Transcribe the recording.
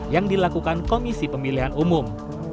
yang dilakukan komisi pemilihan umum